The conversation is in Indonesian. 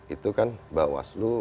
itu kan bawaslu